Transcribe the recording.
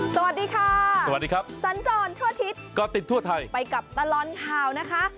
สวัสดีค่ะสวัสดีครับสัญจรทั่วอาทิตย์ก็ติดทั่วไทยไปกับตลอดข่าวนะคะ